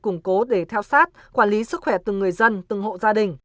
củng cố để theo sát quản lý sức khỏe từng người dân từng hộ gia đình